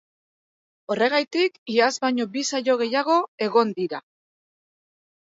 Horregatik, iaz baino bi saio gehiago egondira.